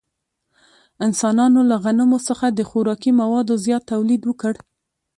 انسانانو له غنمو څخه د خوراکي موادو زیات تولید وکړ.